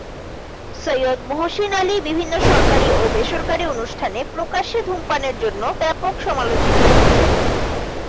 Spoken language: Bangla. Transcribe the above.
সৈয়দ মহসিন আলী বিভিন্ন সরকারি ও বেসরকারি অনুষ্ঠানে প্রকাশ্যে ধূমপানের জন্য ব্যাপক সমালোচিত হন।